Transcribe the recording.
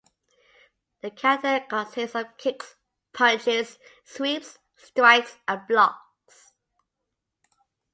The kata consists of kicks, punches, sweeps, strikes and blocks.